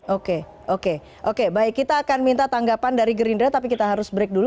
oke oke baik kita akan minta tanggapan dari gerindra tapi kita harus break dulu